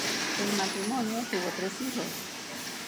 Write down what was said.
El matrimonio tuvo tres hijos.